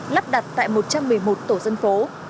lắp đặt tại một trăm một mươi một tổ dân phố